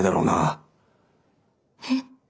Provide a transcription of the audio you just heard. えっ？